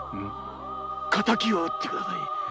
敵を討ってください！